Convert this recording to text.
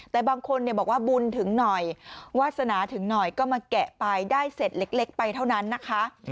แต่บางคนบอกว่าบุญถึงหน่อยวาสนาถึงหน่อยก็มาแกะไปได้เสร็จเล็กไปเท่านั้นนะคะ